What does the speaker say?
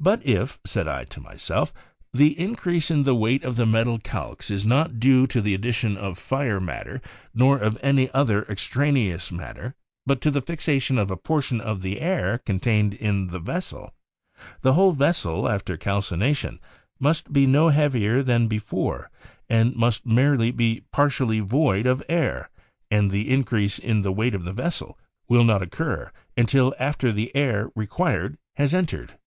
But if, said I to myself, the increase in the weight of the metal calx is not due to the addition of fire matter nor of any other extraneous matter, but to the fixation of a portion of the air contained in the vessel, the whole vessel after calcination must be no heavier than before and must merely be partially void of air, and the increase in the weight of the vessel will not occur until after the air required has entered."